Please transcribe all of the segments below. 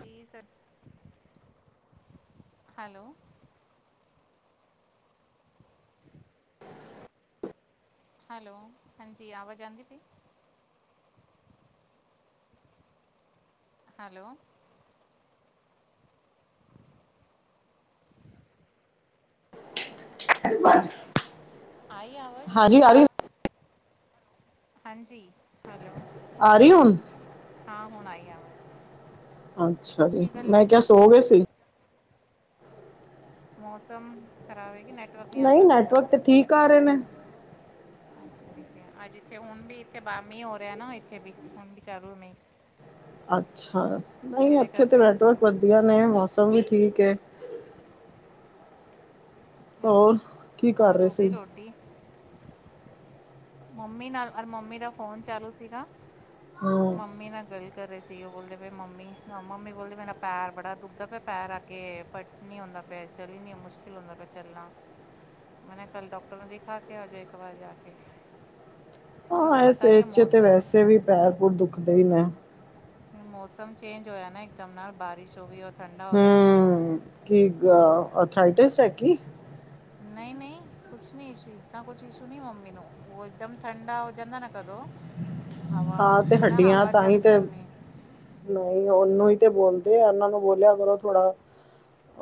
ਜੀ sir hello hello ਹਾਂਜੀ ਆਵਾਜ ਆਉਂਦੀ ਪਈ। ਹੈਲੋ ਆਈ ਆਵਾਜ ਹੁਣ? ਹਾਂਜੀ ਆ ਰਹੀ ਹਾਂਜੀ ਹੈਲੋ ਆ ਰਹੀ ਹੈ ਹੁਣ। ਹਾਂ ਹੁਣ ਆਈ ਆਵਾਜ਼ ਅੱਛਾ ਜੀ ਕੀ ਗੱਲ ਮੈਂ ਕਿਹਾ ਨੈਟਵਰਕ ਨਹੀਂ ਸੋ ਗਏ ਸੀ। ਮੌਸਮ ਖਰਾਬ ਹੈ ਕੇ ਨੇਟ ਨਹੀਂ ਨੈਟਵਰਕ ਤੇ ਠੀਕ ਆ ਰਹੇ ਨੇ। ਅੱਛਾ ਠੀਕ ਹੈ ਅੱਜ ਇੱਥੇ ਹੁਣ ਵੀ ਇੱਥੇ ਬਾਰਵੀਂ ਹੋ ਰਿਹਾ ਨਾ ਇੱਥੇ ਵੀ ਹੁਣ ਵੀ ਚੱਲੂ ਮ ਅੱਛਾ ਨਹੀਂ ਇਹਦੇ ਇੱਥੇ ਤੇ ਕਰਕੇ ਹੁੰਦਾ ਨੈਟਵਰਕ ਹੈ ਵਧੀਆ ਨੇ ਮੌਸਮ ਵੀ ਠੀਕ ਹੈ। ਹੋਰ ਕੀ ਕਰ ਔਰ ਰਹੇ ਹੋ ਸੀ ਗਈ ਰੋਟੀ? ਮੰਮੀ ਨਾਲ ਅਰ ਮੰਮੀ ਦਾ ਫੋਨ ਚਾਲੂ ਸੀਗਾ, ਹੂੰ ਮੰਮੀ ਨਾਲ ਗੱਲ ਕਰ ਰਹੇ ਸੀ ਉਹ ਬੋਲਦੇ ਮੰਮੀ, ਮੰਮੀ ਬੋਲਦੇ ਮੇਰਾ ਪੈਰ ਬੜਾ ਦੁੱਖਦਾ ਪਿਆ ਪੈਰ ਅੱਗੇ ਨਹੀਂ ਆਉਂਦਾ ਪਿਆ ਚੱਲ ਨੀ ਮੁਸ਼ਕਿਲ ਹੁੰਦਾ ਪਿਆ ਚੱਲਣਾ। ਮੈਂਨੇ ਕੱਲ ਡਾਕਟਰ ਨੂੰ ਦਿਖਾ ਕੇ ਆ ਜਾਏ ਇੱਕ ਵਾਰ ਜਾ ਕੇ। ਬੋਲਦੇ ਐਸ ਪਤਾ ਨਹੀਂ ਏਜ ਚ' ਤੇ ਮੌਸਮ ਵੈਸੇ ਵੀ ਪੈਰ-ਪੂਰ ਦੁਖਦੇ ਈ ਨੇ। ਹੁਣ ਮੌਸਮ ਚੇਂਜ ਹੋਇਆ ਨਾ ਇਕਦਮ ਨਾਲ ਬਾਰਿਸ਼ ਹੋ ਗਈ ਔਰ ਹੂੰ, ਕੀ ਗੱਲ ਆਰਥਰਾਈਟਸ ਹੈ ਕੀ? ਨਈਂ-ਨਈਂ ਕੁਛ ਨਹੀਂ ਇਸ਼ੂ ਇਸਾ ਕੁਛ ਇਸ਼ੂ ਨਹੀਂ ਮੰਮੀ ਨੂੰ ਉਹ ਇੱਕਦਮ ਠੰਡਾ ਹੋ ਜਾਂਦਾ ਨਾ ਕਦੋਂ ਹਵਾ ਹਾਂ ਤੇ ਮੈਂ ਨਾ ਹੱਡੀਆਂ ਹਵਾ ਚੜ ਤਾਹੀ ਗਈ ਤੇ ਹੋਣੀ ਨਈਂ ਉਹਨੂੰ ਈ ਤੇ ਬੋਲਦੇ ਆ, ਉਹਨਾਂ ਨੂੰ ਬੋਲਿਆ ਕਰੋ ਥੋੜਾ।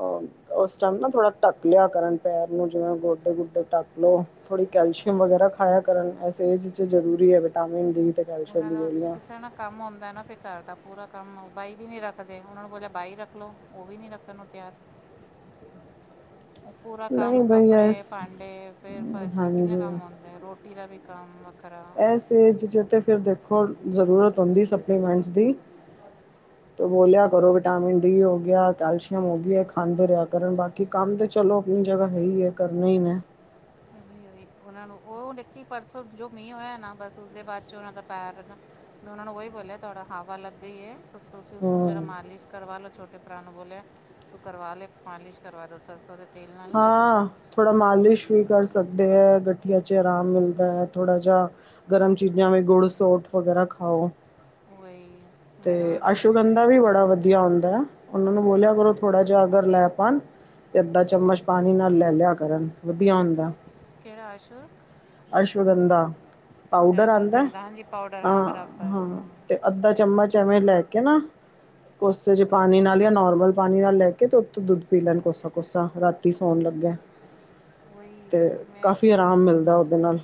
ਓ-ਉਸ ਟਾਈਮ ਨਾ ਥੋੜਾ, ਢੱਕ ਲਿਆ ਕਰਨ ਪੈਰ ਨੂੰ ਜਿਵੇਂ ਗੋਡੇ-ਗੋਡੇ ਤੱਕ ਲੋ, ਥੋੜ੍ਹੀ ਕੈਲਸ਼ੀਅਮ ਵਗੈਰਾ ਖਾਇਆ ਕਰਨ ਏਸ ਵਿੱਚ ਜ਼ਰੂਰੀ ਐ ਵਿਟਾਮਿਨ ਡੀ ਅਤੇ ਕੈਲਸ਼ੀਅਮ ਉਹਨਾਂ ਦੀ ਨਾਲ਼, ਗੋਲੀਆਂ ਕਿਸਾਨਾਂ ਕੰਮ ਆਉਂਦਾ ਨਾ ਫ਼ੇਰ ਘਰ ਦਾ ਪੂਰਾ ਕੰਮ ਬਾਈ ਵੀ ਨੀਂ ਰੱਖਦੇ ਉਹਨਾਂ ਨੂੰ ਬੋਲਿਆ ਬਾਈ ਰੱਖ ਲੋ, ਉਹ ਵੀ ਨਈ ਰੱਖਣ ਨੂੰ ਤਿਆਰ। ਉਹ ਪੂਰਾ ਕੰਮ ਨਹੀਂ ਬਈ ਇਸ ਕੱਪੜੇ, ਭਾਂਡੇ, ਫ਼ੇਰ ਫਰਸ਼ੀ, ਕਿੰਨੇ ਹਾਂਜੀ ਕੰਮ ਆਉਂਦੇ, ਰੋਟੀ ਦਾ ਵੀ ਕੰਮ ਕਰਾ ੲਏ ਚੀਜਾ ਤੇ ਫਿਰ ਦੇਖੋ ਜ਼ਰੂਰਤ ਹਦੀ ਸਪਲੀਮੈਂਟਸ ਦੀ। ਤ ਬੋਲਿਆ ਕਰੋ ਵਿਟਾਮਿਨ ਡੀ ਹੋ ਗਿਆ, ਕੈਲਸ਼ੀਅਮ ਹੋ ਗਈ ਖੰਦੇ ਰਿਆ ਕਰਨ ਬਾਕ ਕਿ ਕੰਮ ਤਾਂ ਚਲੋ ਆਪਣੀ ਜਗ੍ਹਾ ਹੈ ਹੀ ਹੈ ਕਰਨੇ ਹੀ ਨੇ ਕਮੀ ਹੋਈ ਉਹਨਾਂ ਨੂੰ ਉਹ ਪਰਸੋਂ ਜੋ ਮੀਂਹ ਹੋਇਆ ਨਾ ਬਸ ਉਸਦੇ ਬਾਅਦ ਚ ਉਹਨਾਂ ਦਾ ਪੈਰ ਨਾ ਉਹਨਾਂ ਨੂੰ ਉਹੀ ਬੋਲਿਆ ਤੁਹਾਡਾ ਹਵਾ ਲੱਗ ਗਈ ਏ ਤੁਸੀਂ ਉਸਨੂੰ ਜਿਹੜਾ ਹਮ ਮਾਲਿਸ਼ ਕਰਵਾ ਲਓ ਛੋਟੇ ਭਰਾ ਨੂੰ ਬੋਲਿਆ। ਤੂੰ ਕਰਵਾ ਲੇ, ਮਾਲਿਸ਼ ਕਰਵਾ ਦੋ ਸਰਸੋ ਦੇ ਤੇਲ ਨਾਲ ਜਰਾ ਹਾਂ। ਥੋੜ੍ਹਾ ਮਾਲਿਸ਼ ਵੀ ਕਰ ਸਕਦੇ ਐ, ਗਠੀਏ ਚ' ਆਰਾਮ ਮਿਲਦਾ ਐ, ਥੋੜ੍ਹਾ ਜਾ। ਗਰਮ ਚੀਜ਼ਾਂ ਵੀ ਗੁੜ੍ਹ, ਸੌਂਫ ਵਗੈਰਾ ਖਾਓ। ਉਹੀ ਤੇ ਮੈਨੂੰ ਉਹਨਾਂ ਦੇ ਪਹਿਲੇ ਤੁਸੀਂ ਅਸ਼ਗੰਧਾ ਵੀ ਬੜਾ ਹਾਂਜੀ ਵਧੀਆ ਹੁੰਦਾ। ਉਹਨਾਂ ਨੂੰ ਬੋਲਿਆ ਕਰੋ ਥੋੜਾ ਜਿਹਾ ਅਗਰ ਲੈ ਪਾਣ, ਤੇ ਅੱਧਾ ਚਮਚ ਪਾਣੀ ਨਾਲ ਲੈ ਲਿਆ ਕਰਨ, ਵਧੀਆ ਹੁੰਦਾ। ਕਿਹੜਾ ਆਸ਼ੁਰ ਅਸ਼ਵਗੰਧਾ, ਪਾਊਡਰ ਆਉਂਦਾ, ਆਂ, ਹਾਂ ਤੇ ਅੱਧਾ ਚਮਚ ਐਵੇਂ ਲੈ ਕੇ ਨਾ, ਕੋਸੇ ਜੇ ਪਾਣੀ ਨਾਲ ਜਾਂ ਨੋਰਮਲ ਪਾਣੀ ਨਾਲ ਲੈ ਕੇ, ਤੇ ਉੱਤੇ ਦੁੱਧ ਪੀ ਲੈਣ ਕੋਸਾ-ਕੋਸਾ ਰਾਤੀ ਸੌਣ ਲੱਗੇ। ਤੇ, ਕਾਫੀ ਆਰਾਮ ਮਿਲਦਾ ਉਹਦੇ ਨਾਲ।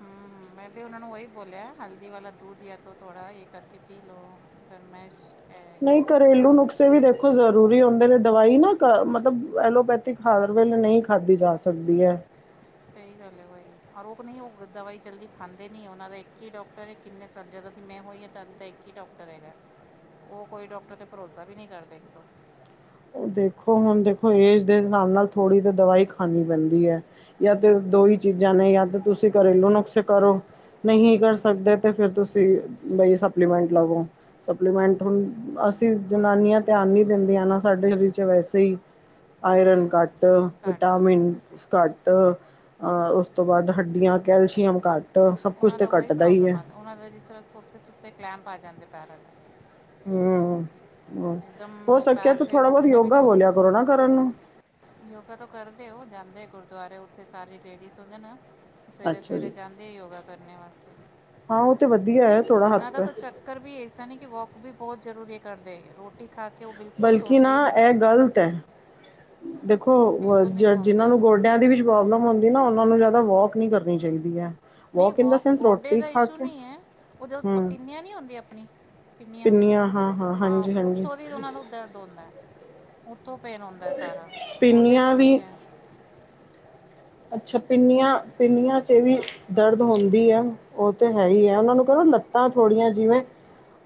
ਹੂੰ-ਹੂੰ ਮੈਂ ਵੀ ਉਹਨਾ ਨੂੰ ਉਹੀ ਬੋਲਿਆ ਹਲਦੀ ਵਾਲਾ ਦੁੱਧ ਜਾਂ ਤੋਂ ਥੋੜਾ ਇਹ ਕਰਕੇ ਪੀ ਲੋ। ਗਰਮਾਇਸ਼ ਨਈਂ ਘਰੇਲੂ ਨੁਕਸੇ ਇਹ ਵੀ ਦੇਖੋ ਜ਼ਰੂਰੀ ਹੁੰਦੇ, ਨੇ ਦਵਾਈ ਨਾ ਮਤਲਬ ਐਲੋਪੈਥਿਕ ਹਰ ਵੇਲੇ ਨਹੀਂ ਖਾਧੀ ਜਾ ਸ ਸਕਦੀ ਏ। ਸਹੀ ਗੱਲ ਏ ਬਾਈ, ਆਰੋਗ ਨਹੀਂ ਹੋ ਦਵਾਈ ਜਲਦੀ ਖਾਂਦੇ ਨੀ ਉਹਨਾਂ ਦਾ ਇੱਕ ਈ ਡਾਕਟਰ ਐ ਕਿੰਨੇ ਸਾਲ ਜਦੋਂ ਦੀ ਮੈਂ ਹੋਈ ਆਂ ਤਦ ਦਾ ਇੱਕ ਈ ਡਾਕਟਰ ਹੈਗਾ। ਉਹ ਕੋਈ ਡਾਕਟਰ ਤੇ ਭਰੋਸਾ ਵੀ ਨੀਂ ਕਰਦੇ ਇੱਕ ਤੋ। ਓ ਦੇਖੋ, ਹੁਣ ਦੇਖੋ ਏਜ ਦੇ ਹਿਸਾਬ ਨਾਲ ਥੋੜ੍ਹੀ ਤਾਂ ਦਵਾਈ ਖਾਣੀ ਪੈਂਦੀ ਐ। ਜਾਂ ਤੇ ਦੋ ਈ ਚੀਜ਼ਾਂ ਨੇ ਜਾਂ ਤਾਂ ਤੁਸੀਂ ਘਰੇਲੂ ਨੁਕਸੇ ਕਰੋ। ਨਹੀਂ ਕਰ ਸਕਦੇ ਤੇ ਫ਼ੇਰ ਤੁਸੀਂ, ਬਈ ਸਪਲੀਮੈਂਟ ਲਵੋ। ਸਪਲੀਮੈਂਟ ਹੁਣ, ਅਸੀਂ ਜਨਾਨੀਆਂ ਧਿਆਨ ਨੀਂ ਦਿੰਦੀਆਂ ਨਾ। ਸਾਡੇ ਸਰੀਰ 'ਚ ਵੈਸੇ ਈ, ਉਹੀ ਆਇਰਨ ਉਹੀ ਘੱਟ, ਘੱਟ ਹੁੰਦਾ ਵਿਟਾਮਿਨ ਫਿਰ ਘੱਟ, ਅ ਉਸ ਤੋਂ ਬਾਅਦ ਹੱਡੀਆਂ, ਕੈਲਸ਼ੀਅਮ ਘੱਟ ਸਭ ਕੁਛ ਉਹਨਾਂ ਤੇ ਦਾ ਉਹੀ ਘੱਟਦਾ ਹੀ ਪ੍ਰੋਬਲਮ ਐ। ਆ ਉਹਨਾਂ ਦੇ ਜਿਸ ਤਰ੍ਹਾਂ ਸੁੱਤੇ-ਸੁੱਤੇ ਕਲੈਂਪ ਆ ਜਾਂਦੇ ਪੈਰਾਂ ਤੇ। ਹੂੰ ਹੋ ਇੱਕਦਮ ਸਕਿਆ ਪੈਰ ਤੇ ਫਿਰ ਥੋੜਾ ਬਹੁਤ ਉੱਠਣੇ ਵੀ ਨਹੀਂ ਯੋਗਾ ਹੁੰਦਾ ਬੋਲਿਆ ਕਰੋ ਨਾ ਕਰਨ ਨੂੰ ਯੋਗਾ ਤੋਂ ਕਰਦੇ ਔ, ਜਾਂਦੇ ਗੁਰਦੁਆਰੇ ਉੱਥੇ ਸਾਰੇ ਲੇਡੀਜ਼ ਹੁੰਦੇ ਨਾ ਸਵੇਰੇ ਅੱਛਾ ਸਵੇਰੇ ਜੀ। ਜਾਂਦੀ ਯੋਗਾ ਕਰਨੇ ਵਾਸਤੇ ਹਾਂ ਉਹ ਤੇ ਵਧੀਆ ਨਹੀਂ ਹੈ ਥੋੜਾ ਹਟ ਉਹਨਾਂ ਦਾ ਕੇ ਤਾਂ ਚੱਕਰ ਵੀ ਐਸਾ ਨਹੀਂ ਕਿ ਵਾੱਕ ਵੀ ਬਹੁਤ ਜ਼ਰੂਰੀ ਕਰਦੇ, ਰੋਟੀ ਖਾ ਕੇ ਉਹ ਬਿਲਕੁਲ ਬਲਕਿ ਸੌਂਦੇ ਹੀ ਨਾ ਨਹੀ ਇਹ ਗ਼ਲਤ ਹੈ। ਦੇਖੋ ਬਿਲਕੁਲ ਨਹੀਂ ਜਿਨਾਂ ਸੌਂਦੇ ਨੂੰ ਉਹ ਗੋਡਿਆਂ ਦੀ ਵੀ ਪ੍ਰੋਬਲਮ ਹੁੰਦੀ ਨਾ, ਉਹਨਾਂ ਨੂੰ ਜਿਆਦਾ ਵੋਕ ਨਹੀ ਕਰਨ ਨਹੀਂ ਵੋਕ ਗੋਡੇ ਦਾ ਖਾ ਇਸ਼ੂ ਕੇ ਨਹੀਂ ਹੈ, ਔ ਹਮ ਪੀਨਿਆ ਨਹੀਂ ਹੁੰਦੀ ਅਪਣੀ ਪਿੰਨੀਆਂ ਹਾਂ ਉੱਥੋਂ ਦੀ ਉਹਨਾਂ ਤੋਂ ਦਰਦ ਹੁੰਦਾ ਉੱਥੋਂ ਪੇਨ ਆਉਂਦਾ ਸਾਰਾ, ਗੋਡੇ ਪਿੰਨੀਆਂ ਤੋਂ ਨੀ ਵੀ ਹੈ। ਅੱਛਾ ਪਿੰਨੀਆਂ, ਪਿੰਨੀਆਂ ਚ ਵੀ ਦਰਦ ਹੁੰਦੀ ਹੈ। ਉਹ ਤੇ ਹੈ ਹੀ ਏ, ਉਹਨਾਂ ਨੂੰ ਕਹਨਾ ਲੱਤਾਂ ਥੋੜੀਆਂ ਜਿਵੇਂ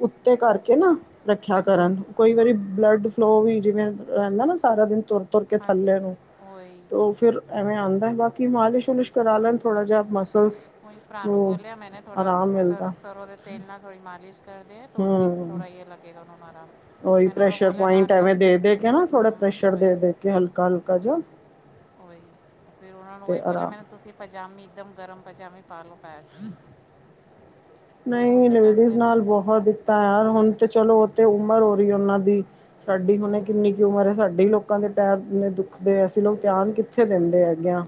ਉੱਤੇ ਕਰਕੇ ਨਾ ਰੱਖਿਆ ਕਰਨ। ਹੂੰ ਕਈ ਵਾਰੀ ਬਲੱਡ ਫਲੋ ਵੀ ਜਿਵੇਂ ਰਹਿੰਦਾ ਨਾ ਸਾਰਾ ਦਿਨ ਤੁਰ ਤੁਰ ਕੇ ਹਾਂਜੀ ਥੱਲੇ ਨੂੰ ਉਹੀ ਤੇ ਫਿਰ ਐਵੇਂ ਆਉਂਦਾ ਹੈ, ਬਾਕੀ ਮਾਲਿਸ਼ ਮੁਲਿਸ਼ ਕਰਾ ਲੈਣ ਥੋੜਾ ਜਿਹਾ ਮਸਲਸ ਉਹੀ ਭਰਾ ਨੂੰ ਬੋਲਿਆ ਮੈਂਨੇ ਆਰਾਮ ਥੋੜਾ ਮਿਲਦਾ ਸਰੋਂ ਦੇ ਤੇਲ ਨਾਲ ਥੋੜੀ ਮਾਲਿਸ਼ ਕਰ ਦੇ ਤੋ ਠੀਕ ਥੋੜਾ ਜਾਂ ਲੱਗੇ ਕਹ ਨੂੰ ਆਰਾਮ ਓਹੀ ਪ੍ਰੈਸ਼ਰ-ਪੁਆਇੰਟ ਐਵੇਂ ਦੇ-ਦੇ ਕੇ ਨਾ ਥੋੜਾ ਪ੍ਰੈਸ਼ਰ ਦੇ-ਦੇ ਕੇ ਹਲਕਾ-ਹਲਕਾ ਜਾ। ਉਹੀ, ਫ਼ੇਰ ਉਹਨਾਂ ਨੂੰ ਉਹੀ ਬੋਲਿਆ ਮੈ ਤੁਸੀਂ ਪਜਾਮੀ, ਇੱਕਦਮ ਗਰਮ ਪਜਾਮੀ ਪਾ ਲੋ। ਪਾਇਆਸ [unintelligible] ਨਈਂ ਲੇਡੀਜ਼ ਨਾਲ ਬਹੁਤ ਦਿੱਕਤਾਂ ਯਾਰ ਹੁਣ ਤਾਂ ਚਲੋ ਓਹਤੇ ਉਮਰ ਹੋ ਰਹੀ ਆ ਉਹਨਾਂ ਦੀ। ਸਾਡੀ ਹੁਣੇ ਕਿੰਨੀ ਕੁ ਹਮ ਉਮਰ ਐ, ਸਾਡੀ ਲੋਕਾਂ ਦੇ ਪੈਰ ਇੰਨੇ ਦੁੱਖਦੇ ਆ, ਅਸੀਂ ਲੋਕ ਧਿਆਨ ਕਿੱਥੇ ਦਿੰਦੇ ਹੈਗੇ ਆਂ।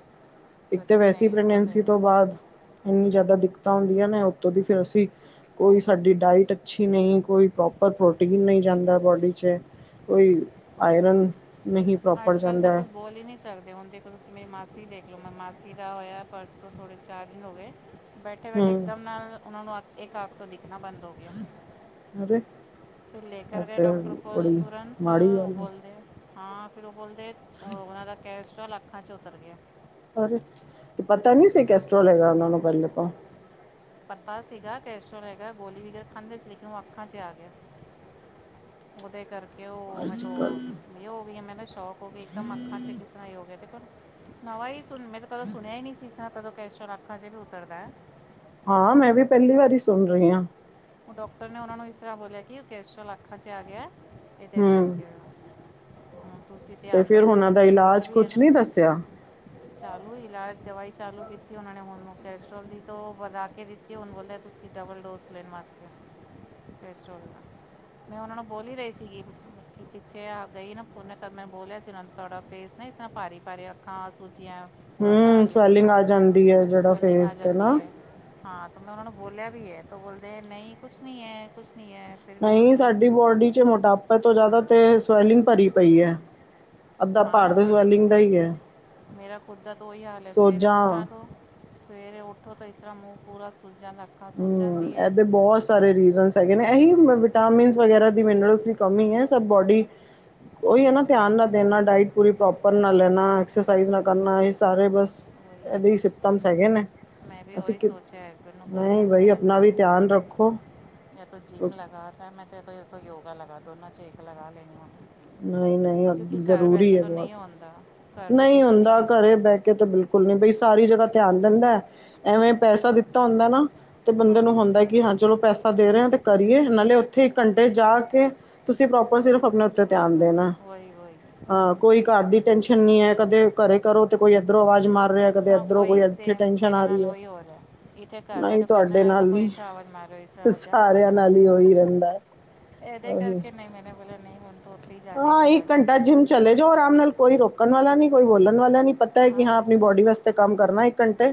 ਇੱਕ ਤਾਂ ਸੱਚੀ ਵੈਸੇ ਹੀ ਨਹੀਂ ਬਹੁਤ ਪ੍ਰੈਗਨੈਂਸੀ ਹੈ ਤੋਂ ਬਾਦ ਇੰਨੀ ਜ਼ਿਆਦਾ ਦਿੱਕਤਾਂ ਹੁੰਦੀਆਂ ਨਾ ਉੱਤੋਂ ਦੀ ਫੇਰ ਅਸੀ ਕੋਈ ਸਾਡੀ ਡਾਇਟ ਅੱਛੀ ਨਹੀਂ, ਕੋਈ ਪ੍ਰੋਪਰ ਪ੍ਰੋਟੀਨ ਨਹੀਂ ਜਾਂਦਾ ਬੋਡੀ ਚ ਕੋਈ ਆਯਰਨ ਅੱਜ ਕੱਲ ਤਾਂ ਕੁਝ ਬੋਲ ਹੀ ਨਹੀ ਸਕਦੇ ਹੁਣ ਦੇ ਤੁਸੀਂ ਮੇਰੀ ਮਾਸੀ ਦੇਖ ਲਓ, ਮੈਂ ਮਾਸੀ ਦਾ ਹੋਇਆ ਪਰਸੋਂ ਥੋੜ੍ਹੇ ਚਾਰ ਦਿਨ ਹੋ ਗਏ ਬੈਠੇ ਬੈਠੇ ਹੂੰ ਇਕਦਮ ਨਾਲ ਉਹਨਾ ਨੂੰ ਇੱਕ ਅੱਖ ਤੋਂ ਦਿਖਣਾ ਬੰਦ ਹੋ ਅਰੇ ਫਿਰ ਲੇ ਇਹ ਕਰ ਗਏ ਤੇ ਡਾਕਟਰ ਕੋਲ, ਬੜੀ ਤੁਰੰਤ ਮਾੜੀ ਉਹ ਗੱਲ ਹੈ ਬੋਲਦੇ ਹਾਂ ਫਿਰ ਉਹ ਬੋਲਦੇ ਉਹਨਾਂ ਦਾ ਕੈਸਟਲ ਅੱਖਾਂ ਚ ਉਤਰ ਗਿਆ। ਅਰੇ, ਤੇ ਪਤਾ ਨੀ ਸੀ ਕੇਸਟੋ੍ਲ ਹੇਗਾ ਉਹਨਾ ਨੂੰ ਪਹਿਲੇ ਤੋਂ ਪਤਾ ਸੀਗਾ ਕੈਸਟੋ੍ਲ ਹੈਗਾ, ਗੋਲੀ ਵਗੇਰਾ ਖਾਂਦੇ ਸੀ, ਲੇਕਿਨ ਉਹ ਅੱਖਾਂ ਚ ਆ ਗਿਆ। ਉਹਦੇ ਕਰਕੇ ਉਹ ਮੈਂ ਅੱਜ ਤੋ ਕੱਲ ਇਹ ਹੋ ਗਈ, ਮੈਂ ਸ਼ੌਕ ਹੋ ਗਈ ਇੱਕਦਮ ਅੱਖਾਂ ਚ ਕਿਸ ਤਰ੍ਹਾਂ ਹੀ ਹੋ ਗਿਆ ਦੇਖੋ ਨਵਾਂ ਹੀ ਸੁਣ ਮੈਂ ਤਾਂ ਕਦੇ ਸੁਣਿਆ ਹੀ ਨਹੀਂ ਸੀ ਕਿ ਕਦੇ ਕੈਲਸਟੋ੍ਲ ਅੱਖਾਂ ਚ ਵੀ ਉਤਰਦਾ। ਹਾਂ ਮੈਂ ਵੀ ਪਹਿਲੀ ਵਾਰੀ ਸੁਣ ਰਹੀ ਹਾਂ। ਉਹ ਡਾਕਟਰ ਨੇ ਉਹਨਾਂ ਨੂੰ ਇਸ ਤਰ੍ਹਾਂ ਬੋਲਿਆ ਕਿ ਉਹ ਕੈਸਟੋ੍ਲ ਅੱਖਾਂ ਚ ਆ ਗਿਆ ਇਹਦੇ ਹੂੰ ਕਰਕੇ ਹੋਇਆ ਹੁਣ ਤੁਸੀਂ ਤੇ ਧਿਆਨ ਫਿਰ ਰੱਖੋ ਔ ਉਹਨਾਂ ਦਾ ਤੇ ਸ਼ੂਗਰ ਇਲਾਜ ਵੀ ਏ ਕੁਛ ਨਾ। ਨਹੀਂ ਦੱਸਿਆ ਚਾਲੂ ਇਲਾਜ ਦਵਾਈ ਚਾਲੂ ਕੀਤੀ ਉਹਨਾਂ ਨੇ ਹੁਣ ਕੈਸਟਰ੍ਰੋਲ ਦੀ ਤੋਂ ਵਧਾ ਕੇ ਦਿੱਤੀ ਕਿ ਹੁਣ ਬੋਲਿਆ, ਤੁਸੀਂ ਡਬਲ ਡੋਜ਼ ਲੈਣ ਵਾਸਤੇ ਕਲੈਸਟਰੋਲ ਦਾ। ਮੈਂ ਉਹਨਾਂ ਨੂੰ ਬੋਲੀ ਹੀ ਰਹੀ ਸੀਗੀ, ਪਿੱਛੇ ਗਈ ਨਾ ਪੂਨ ਕਰਨੇ ਮੈਂ ਬੋਲਿਆ ਸੀ ਉਹਨਾਂ ਤੁਹਾਡਾ ਫੇਸ ਨਾ ਇਸ ਰਾਂ ਭਾਰੀ- ਭਾਰੀ, ਅੱਖਾਂ ਸੂਝਇਆ ਪੂਰਾ ਹੂੰ ਗਾਲ ਵੀ ਸਵੈਲਿੰਗ ਜਸਾਂ ਆ ਜਾਂਦੀ ਹੈ ਜਿਹੜਾ ਸਵੈਲਿੰਗ ਆ ਫੇਸ ਤੇ ਜਾਂਦੀ ਨਾ ਹੈ। ਹਾਂ ਤੇ ਮੈਂ ਉਹਨਾਂ ਨੂੰ ਬੋਲਿਆ ਵੀ ਹੈ ਤੇ ਉਹ ਬੋਲਦੇ ਨਹੀਂ ਕੁਛ ਨੀ ਹੈ, ਕੁਛ ਨੀ ਹੈ। ਫਿਰ ਵੀ ਨਹੀਂ ਹੁਣ ਸਾਡੀ ਬੋਡੀ ਚ ਮੋਟਾਪੇ ਤੋਂ ਜ਼ਿਆਦਾ ਤੇ ਸਵੈਲਿੰਗ ਭਰੀ ਪਈ ਹੈ। ਅੱਧਾ ਹਾਂ ਭਾਰ ਤਾਂ ਸਵੈਲਿੰਗ ਹੈ। ਦਾ ਹੀ ਮੇਰਾ ਖੁੱਦ ਦਾ ਤਾ ਉਹੀ ਹਾਲ ਹੈ, ਸਵੇਰੇ ਸੋਜਾਂ ਉੱਠਾ ਤੋਂ ਸਵੇਰੇ ਉੱਠੋ ਤਾਂ ਇਸ ਤਰਾਂ ਮੂੰਹ ਪੂਰਾ ਸੂਜਾ ਦਾ ਹੂੰ ਇਹਦੇ ਬੋਹਤ ਸਾਰੇ ਰੀਜ਼ਨਸ ਹੈਗੇ ਨੇ ਏਹੀ ਵਿਟਾਮਿਨ ਵਗੈਰਾ ਦੀ ਮਿਨਰਲਸ ਦੀ ਕਮੀ ਹੈ। ਸਭ ਬੋਡੀ ਉ ਓਹੀ ਹੈ ਨਾ ਧਿਆਨ ਨਾ ਦੇਣਾ ਡਾਇਟ ਪੂਰੀ ਪ੍ਰੋਪਰ ਨਾ ਲੈਣਾਸ ਨਾ ਕਰਨਾ ਇਹ ਸਾਰੇ ਬਸ। ਉਹੀ ਇਹਦੇ ਹੀ ਉਹੀ ਹੁਣ ਸਿਪਟਮਸ ਹੈਗੇ ਨੇ ਮੈਂ ਵੀ ਅਸੀਂ ਉਹੀ ਕਿ ਸੋਚ। ਅੱਛਾ ਹੈਸਬੈਂਡ ਨੂੰ ਬੋਲਿਆ ਨਹੀਂ ਬਈ ਮੈਂ ਤਾਂ ਆਪਣਾ ਵੀ ਧਿਆਨ ਰੱਖੋ ਇਹ ਤੋਂ ਜਿੰਮ ਲਗਾ। ਫ ਮੈਂ ਤਾਂ ਤੋਂ ਯੋਗਾ ਲਗਾ ਦੋਨਾਂ 'ਚੇਕ ਲਗਾ ਲੈਣੀ ਹੁੰਦੀ। ਨਹੀਂ ਨਹੀਂ ਜ਼ਰੂਰੀ ਹੈ ਬਹੁਤ ਹੁੰਦਾ ਘਰ ਬਹਿ ਕੇ ਨਹੀਂ ਤਾਂ ਹੁੰਦਾ ਘਰੇ ਬਹਿ ਕੇ ਤੇ ਬਿਲਕੁਲ। ੁਲ ਬਈ ਸਾਰੀ ਜਗ੍ਹਾ ਧਿਆਨ ਦਿੰਦਾ ਐਵੇਂ ਪੈਸਾ ਦਿੱ ਤਾ ਹੁੰਦਾ ਨਾ ਤੇ ਬੰਦੇ ਨੂੰ ਹਾਂ ਹੁੰਦਾ ਕਿ ਹਾਂ ਚਲੋ ਪੈਸੇ ਦੇ ਰਹੇ ਹੋ ਤੇ ਕਰੀਏ ਨਾਲੇ ਉੱਥੇ ਇੱਕ ਘੰਟੇ ਜਾ ਕੇ ਤੁਸੀਂ ਪ੍ਰੋਪਰ ਤੇ ਧਿਆਨ ਦੇਨਾ। ਪ੍ਰੋਬਲਮ ਵਹੀ ਵਹੀ ਹ ਕੋਈ ਘਰ ਦੀ ਟੈਨਸ਼ਨ ਨਹੀਂ ਹੈ ਕਦੇ ਘਰੇ ਕਰੋ ਤੇ ਕੋਈ ਇੱਧਰੋਂ ਆਵਾਜ਼ ਮਾਰ ਰਿਹਾ ਕਦੇ ਹਾਂ ਇੱਧਰੋਂ ਕੋਈ ਉਹੀ ਇੱਥੇ ਸੇਮ ਟੈਨਸ਼ਨ ਮੇਰੇ ਆ ਰਹੀ ਨਾਲ ਉਹੀ ਹੋਰ ਹੈ ਇੱਥੇ ਘਰ ਨਹੀਂ ਬੈਠੋ ਕਰਨੇ ਤੁਹਾਡੇ ਲ ਤਾਂ ਨਾਲ ਕੋਈ ਨਹੀਂ ਚਾਵਲ ਮਾਰੋ ਸਾ ਹੋ ਜਾ ਸਾਰਿਆਂ ਇਧਰ ਆ ਨਾਲ ਹੀ ਜਾ ਉਹੀ ਰਹਿੰਦਾ ਹੈ, ਇਹਦੇ ਕਰਕੇ ਨਹੀਂ ਮੈਨੇ ਬੋਲਿਆ। ਨਹੀਂ ਹਣ। ਹਾਂ ਇੱਕ ਘੰਟਾ ਜਿੰਮ ਚਲੇ ਜਾਓ ਆਰਾਮ ਨਾਲ ਕੋਈ ਰੋਕਣ ਵਾਲਾ ਨੀ ਕੋਈ ਬੋਲਣ ਵਾਲਾ ਨੀ ਪਤਾ। ਕਿ ਹਾਂ ਆਪਣੀ ਬੋਡੀ ਵਾਸਤੇ ਕੰਮ ਕਰਨਾ ਇੱਕ ਘੰਟੇ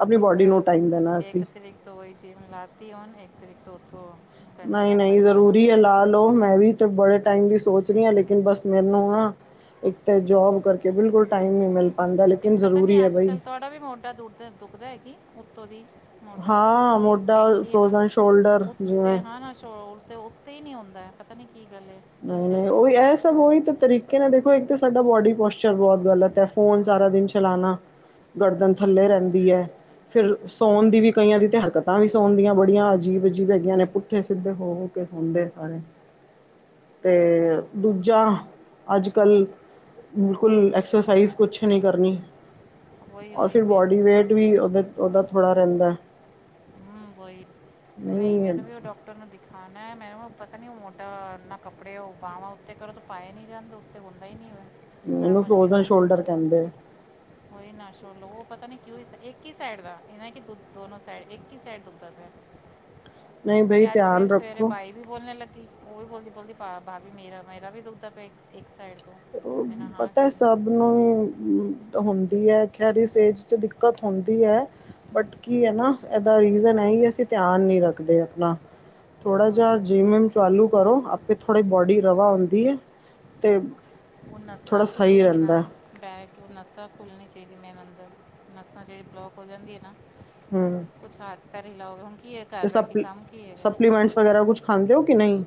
ਆਪਣੀ ਬੋਡੀ ਨੂੰ ਟਾਈਮ ਦੇਣਾ ਅਸੀਂ। ਵਹੀ ਜਿਮ ਲਾਤੀ ਇੱਕ ਤਰੀਕਤ ਹੋਤ। ਨਹੀਂ ਨਹੀਂ ਜ਼ਰੂਰੀ ਹੈ ਲਾ ਲਓ, ਮੈਂ ਵੀ ਬੜੇ ਟਾਈਮ ਦੀ ਸੋਚ ਰਹੀ ਹਾਂ ਲੇਕਿਨ ਬਸ ਮੇਨੂੰ ਨਾ ਇੱਕ ਤਾਂ ਜੋਬ ਕਰਕੇ ਬਿਲਕੁਲ ਟਾਈਮ ਨਹੀਂ ਮਿਲ ਪਾਉਂਦਾ ਲੇਕਿਨ ਜ਼ਰੂਰੀ ਹੈ ਬਈ ੋੜਾ ਵੀ ਮੋਡਾ ਦੁ ਦੁਖਦਾ ਹੈਗੀ ਉੱਤੋਂ ਦੀ। ਮੋਟਾ ਹਾਂ ਮੋਢਾ ਇੱਕ ਹੀ ਹੈ ਫਰੋਜ਼ਨ ਸ਼ੋਲਡਰ ਉੱਤੇ ਜਿਵੇਂ ਹੈਾਂ ਨਾ ਉਲਤੇ ਉੱ ਤਾਂ ਇਹ ਨਹੀਂ ਆਉਦਾ ਹੈ ਪਤਾ ਨਹੀਂ ਕੀ ਗੱਲ ਹੈ। ਕੀ ਨਹੀਂ ਚੱਲ ਨਹੀਂ ਰਿਹਾ ਉਹੀ ਇਹ ਸਭ ਉਹੀ ਤਾਂ ਤਰੀਕੇ ਨਾਲ ਦੇਖੋ ਇੱਕ ਤਾਂ ਸਾਡਾ ਬੋਡੀ ਪੋਸਚਰ। ਰ ਬਹੁਤ ਗ਼ਲਤ ਹੈ ਫੋਨ ਸਾਰਾ ਦਿਨ ਚਲਾਣਾ ਗਰਦਨ ਥੱਲੇ ਰਹਿੰਦੀ ਹੈ। ਫਿਰ ਸਾੌਉਣ ਦੀ ਵੀ ਕਈਆਂ ਦੀ ਤਾਂ ਹਰਕਤਾਂ ਵੀ ਸਾੌਉਣ ਦੀਆਂ ਬੜੀਆਂ ਅਜੀਬ ਅਜੀਬ ਹੈਗੀਆਂ ਨੇ ਪੁੱਠੇ ਸਿੱਧੇ ਹੋ। [unintelligible] ਸੌਂਦੇ ਸਾਰੇ। ਤੇ ਦੂਜਾ ਅੱਜ ਕੱਲ੍ਹ ਬਿਲਕੁਲ ਬਹੁਤ ਐਕਸਰਸਾਈਜ਼। ਕੁਛ ਨੀ ਕਰਨੀ ਉਹੀ ਔਰ ਉਹੀ ਫਿਰ ਮੈਂ ਬੋਡੀ ਵੇਟ ਵੀ ਉਹਦੇ ਉਹਦਾ ਥੋੜ੍ਹਾ ਰਹਿੰਦਾ। ਹੂੰ, ਬਈ ਨਹੀਂ ਮੈਨੂੰ ਵੀ ਉਹ ਡਾਕ ਟਰ ਨੂੰ ਦਿਖਾਣਾ ਮੈਨੂੰ ਪਤਾ ਨੀ ਉਹ ਮੋਢਾ ਨਾ ਕੱਪੜੇ ਓ ਬਾਵਾ ਉੱਤੇ ਕਰੋ। ਪਾਏ ਨੀ ਜਾਂਦੇ ਉੱਤੇ ਹੁੰਦਾ ਹੀ ਨਹੀਂ ਹੋਵੇ ਬੜਾ ਇਹਨੂੰ ਮੁਸ਼ਕਿਲ ਫਰੋਜ਼ਨ ਨਾਲ। ਸ਼ੋਲਡਰ ਕਹਿੰਦੇ ਉਹੀ ਨਾਸ਼ੋ ਲ ਪਤਾ ਨੀ ਕਿ ਇੱਕ ਹੀ ਸਾਈਡ ਦਾ ਇਹਨਾ ਕਿ ਦੋ ਦੋਨੋ ਸਾਈਡ। ਇਕ ਹੀ ਸਾਈਡ ਦੁਖਦਾ ਪਿਆ ਨਹੀਂ ਬਈ ਮੇਰੀ ਅੱਜ ਧਿਆਨ ਸਵੇਰੇ ਸਵੇਰੇ ਰੱਖੋ ਬਾਈਕ। ਵੀ ਬੋਲਣ ਲੱਗੀ ਉਹ ਵੀ ਬੋਲਦੀ ਬੋਲਦੀ ਭਾਬੀ ਮੇਰਾ ਮੇਰਾ ਵੀ ਦੁਖਦਾ ਪਿਆ ਇੱਕ। ਇੱਕ ਸਾਈਡ ਤੋਂ ਮੈਂ ਨਾ ਹਾਂ ਪਤਾ ਕਿ। ਸਭ ਨੂੰ ਹੁੰਦੀ ਐ ਖੈਰ ਇਸ ਏਜ ਚ ਦਿੱਕਤ ਹੁੰਦੀ ਐ। ਬਟ ਕੀ ਐ ਇਹਦਾ ਰੀਜ਼ਨ ਐ ਅਸੀਂ ਧਿਆਨ ਨੀ ਰੱਖਦੇ ਆਪਣਾ। ਥੋੜ੍ਹਾ ਜਿਹਾ ਓਏ ਓਏ ਜਿੰਮ ਵਿਮ ਚਾਲੂ ਕਰੋ ਆਪੇ ਥੋੜ੍ਹੀ ਬੋਡੀ ਰਵਾ ਹੁੰਦੀ ਐ ਤੇ। ਹੁਣ ਨੱਸਾਂ ਖੁੱਲ੍ਹੇ ਗਈ ਨਾ। ਬਹਿ ਕੇ ਓ ਨੱਸਾਂ ਖੁੱਲ੍ਹਣੀ ਚਾਹੀਦੀਆਂ ਅੰਦਰ ਨੱਸਾਂ ਜਿਹੜੀ ਆ ਬਲੋਕ ਹੋ ਜਾਂਦੀ ਆ ਨਾ। ਹੂੰ। ਕੁੱਛ ਹਾਥ ਪੈਰ ਹਿਲਾਓਗੇ ਕੀ। ਤੇ ਸਪਲੀ ਸਪਲੀਮੈਂਟਸ ਵਗੈਰਾ ਕੁਛ ਖਾਂਦੇ ਹੋ ਕਿ ਨਹੀਂ।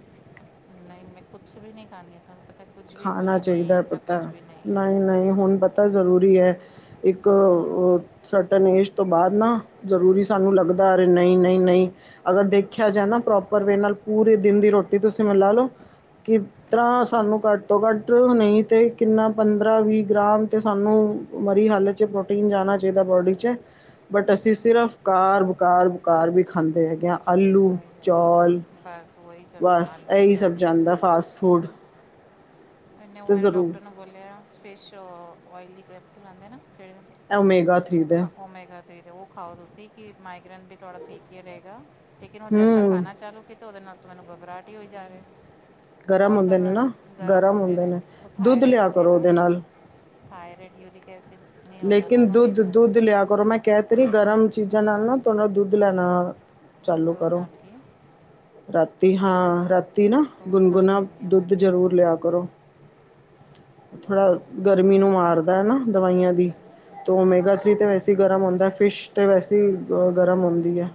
ਨਹੀਂ ਮੈਂ ਕੁਛ ਵੀ ਨਹੀਂ ਖਾਂਦੀ ਨਹੀਂ ਤਹਾਨੂੰ ਪਤਾ ਕੁਛ ਵੀ ਖਾਣਾ ਗੋਲੀ ਨੀ ਚਾਹੀਦਾ ਆਪਣਾ ਪਤਾ ਕੁਛ ਵੀ ਨੀ ਐ। ਨਹੀਂ ਨਹੀਂ ਹੁਣ ਪਤਾ ਜ਼ਰੂਰੀ ਐ ਇੱਕ। ਸਰਟਨ ਏਜ ਤੋਂ ਬਾਅਦ ਨਾ ਜ਼ਰੂਰੀ ਸਾਨੂੰ ਲੱਗਦਾ ਅਰੇ ਨਹੀਂ ਨਹੀਂ ਨਹੀਂ। ਅਗਰ ਦੇਖਿਆ ਜਾ ਨਾ ਪ੍ਰੋਪਰ ਵੇ ਨਾਲ ਪੂਰੇ ਦਿਨ ਦੀ ਰੋਟੀ ਤੁਸੀਂ ਮੈਨੂੰ ਲਾ ਲੋਅ। ਕਿਸ ਤਰ੍ਹਾਂ ਸਾਨੂੰ ਕੱਟ। ਤੋਂ ਘੱਟ ਨਹੀ ਤੇ ਕਿੰਨਾ ਪੰਦਰਾਂ ਵੀਹ ਗ੍ਰਾਮ ਤੇ ਸਾਨੂੰ ਮਰੀ ਹਾਲਤ ਪ੍ਰੋਟੀਨ ਜਾਣਾ ਚਾਹੀਦਾ ਬੋਡੀ 'ਚ- ਬਟ ਅਸੀ ਸਿਰਫ ਬਕਾਰ ਬਕਾਰ ਬਕਾਰ ਵੀ ਖਾਂਦੇ ਹੈਗੇ ਹਾਂ ਆਲੂ ਚੌਲ ਬਸ ਇਹੀ ਸਭ ਜਾਂਦਾ ਫਾਸਟ ਫੂਡ- ਇਨੇ ਉਹ ਅਤੇ ਮੈਨਾ ਜ਼ਰੂਰ ਡਾਕਟਰ ਨੂੰ ਬੋਲਿਆ ਫੇਸ਼ ਓਇਲੀ ਦੀ ਕੈਪਸ ਲੈਂਦੇ ਨਾ ਜਿਹੜੇ ਓਮੇਗਾ ਥ੍ਰੀ ਓ ਦੇ ਓਮੈਗਾ ਉਹ ਖਾਓ ਤੁਸੀ ਕਿ ਮਾਈਗ੍ਰਨ ਵੀ ਥੋੜਾ ਠੀਕ ਹੀ ਰਹੇਗਾ ਲੇਕਿਨ ਹੁਣ ਜਦ ਦਾ ਹੂੰ ਖਾਣਾ ਚਾਲੂ ਕੀਤਾਂ ਉਹਦੇ ਨਾਲ ਤਾਂ ਮੈਨੂੰ ਘਬਰਾਹਟ ਹੀ ਹੋਈ ਜਾ ਰਹਾ ਓ ਗਰਮ ਔਰ ਹੁੰਦੇ ਨੇ ਗਬਰਾਟ ਨਾ ਗਰਮ ਹੁੰਦੇ ਨੇ ਉਹ ਦੁੱਧ ਥਾਈਰਾਇਡ ਲਿਆ ਕਰੋ ਨਾ ਉਹਦੇ ਨਾਲ ਥਾਇਰਡ ਯੂੂਰਿਕ ਐਸਿਡ ਨਹੀਂ ਹੁੰਦਾ ਨਾ ਲੇਕਿਨ ਉਹਨਾਂ ਨੇ ਚਾਹੁੰਦਾ ਦੁੱਧ-ਦੁੱਧ ਲਿਆ ਕਰੋ ਮੈਂ ਕਹਿ ਤੇ ਰੀ ਆ ਨਾ ਗਰਮ ਚੀਜ਼ਾਂ ਨਾਲ ਨਾ ਥੋੜਾ ਦੁੱਧ ਲੈਣਾ ਵ ਦੁੱਧ ਨਾਲ ਕੀ ਰਾਤੀ ਚੱਲੇ ਹਾਂ ਰਾਤੀ ਨਾ ਦੁੱਧ ਨਾਲ ਗੁਨਗੁਣਾ ਲੈਂਦੀ ਹਾਂ ਮੈਂ ਦੁੱਧ ਫਿਰ ਜ਼ਰੂਰ ਉਹੀ ਲਿਆ ਕਰੋ ਥੋੜਾ ਉਹੀ ਗਰਮੀ ਨੂੰ ਮਾਰਦਾ ਨਾ ਦਵਾਈਆਂ ਦੀ ਤੋਂ ਮੇਗਾ ਥਰੀ ਤੇ ਵੈਸੇ ਗਰਮ ਹੁੰਦਾ ਫਿਸ਼ ਤੇ ਵੈਸੇ ਗਰਮ ਹੁੰਦੀ ਐ।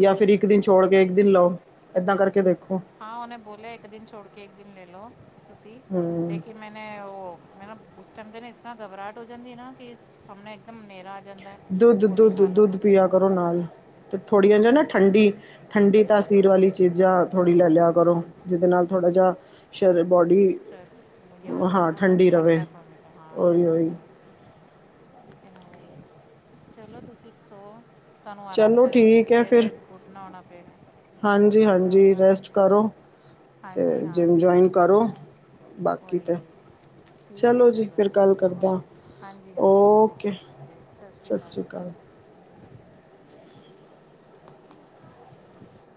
ਜਾਂ ਫਿਰ ਇਕ ਦਿਨ ਉਹੀ। ਛੋੜ ਕੇ ਇਕ ਦਿਨ ਲਓ ਏਦਾਂ ਕਰਕੇ ਦੇਖੋ ਹਾਂ, ਉਹਨੇ ਬੋਲਿਆ ਇਕ ਦਿਨ ਛੋੜ ਕੇ ਇਕ ਦਿਨ ਲੈ ਲਓ ਤੁਸੀ ਹੂੰ ਲੇਕਿਨ ਮੈਨੇ ਉਹ ਮ ਉਸ ਟਾਈਮ ਤੇ ਇਸ ਤਰਾਂ ਘਬਰਾਹਟ ਹੋ ਜਾਂਦੀ ਨਾ ਕਿ ਸਾਹਮਣੇ ਇਕਦਮ ਹਨੇਰਾ ਜਾਂਦਾ ਹੈ ਉਹ ਗੋਲੀ ਖਾ ਲਓ ਦੁੱਧ-ਦੁੱਧ-ਦੁੱਧ ਤਾਂ ਫਿਰ ਪੀਆ ਕਰੋ ਨਾਲ ਤੇ ਥੋੜ੍ਹੀ ਓ ਜੋ ਨਾ ਠੰਡੀ ਠੰਡੀ ਤਾਸੀਰ ਵਾਲੀ ਚੀਜ਼ਾਂ ਥੋੜ੍ਹੀ ਲੈ ਲਿਆ ਕਰੋ ਜਿਹਦੇ ਨਾਲ ਥੋੜ੍ਹਾ ਜਿਹਾ ਸ਼ਰ ਬੋਡੀ। [unintelligible] ਹੋ ਜਾਏ ਹਾਂ ਨਾ ਬਾਡੀ ਠੰਡੀ ਰਹੇ ਠੰਡਾ [unintelligible] ਹਾਂ ਉਹੀ ਠੰਡੀ ਉਹੀ ਹੋਏ। ਲੇਕਿਨ ਚਲੋ ਤੁਸੀਂ ਸੋ। ਤੁਹਾਨੂੰ ਆਰਾਮ ਚਲੋ ਕਰਨ ਠੀਕ ਹੈ ਫਿਰ ਸਵੇਰੇ ਉਠਣਾ ਹੋਣਾ ਫਿਰ। ਹਾਂਜੀ ਜਾਓ ਹਾਂਜੀ, ਰੈਸਟ ਬਸ ਕਰੋ ਤੇ ਹਾਂਜੀ ਜਿਮ ਜੁਆਇਨ ਕਰੋ। ਬਾਕੀ ਓਹੀ ਤਾਂ ਓਹੀ। ਠੀਕ ਐ ਜੀ ਚਲੋ ਫਿਰ ਗੱਲ ਓਕੇ- ਓਕੇ ਕਰਦਾ ਹਾਂਜੀ ਹਾਂ ਕੇ ਓ ਓਕੇ ਸਤਿ ਸ਼੍ਰੀ ਅਕਾਲ। [inaudible]